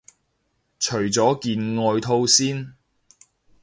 除咗件外套先